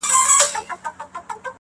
هغې ويله ځمه د سنگسار مخه يې نيسم.